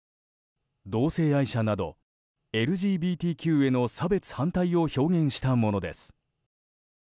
同性愛者などＬＧＢＴＱへの差別反対を表現したものです。